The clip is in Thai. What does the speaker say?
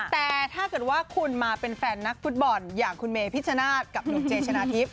แต่ถ้าเกิดว่าคุณมาเป็นแฟนนักฟุตบอลอย่างคุณเมพิชชนาธิ์กับหนุ่มเจชนะทิพย